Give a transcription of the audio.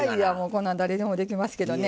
こんなん誰でもできますけどね。